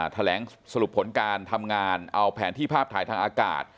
แถลงสรุปผลการทำงานเอาแผนที่ภาพถ่ายทางอากาศ